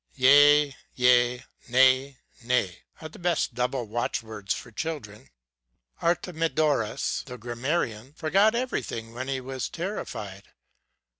Yea yea, nay nay, are the best double watchwords for chil dren. ┬¦ 144 Artemidorus, the grammarian, forgot everything when he was terrified.